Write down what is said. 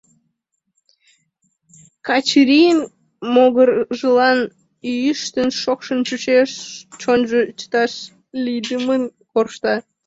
Качырийын могыржылан йӱштын-шокшын чучеш, чонжо чыташ лийдымын коршта.